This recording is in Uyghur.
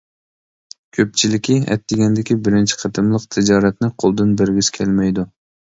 كۆپچىلىكى ئەتىگەندىكى بىرىنچى قېتىملىق تىجارەتنى قولدىن بەرگۈسى كەلمەيدۇ.